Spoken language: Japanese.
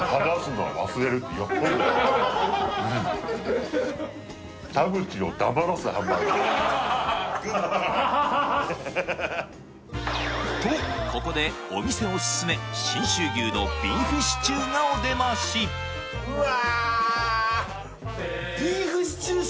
うんとここでお店おすすめ信州牛のビーフシチューがお出ましうわ！